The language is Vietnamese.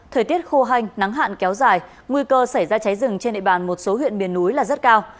thời tiết khô hanh nắng hạn kéo dài nguy cơ xảy ra cháy rừng trên địa bàn một số huyện miền núi là rất cao